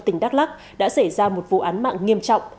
tỉnh đắk lắc đã xảy ra một vụ án mạng nghiêm trọng